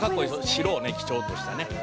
「白をね基調としたね」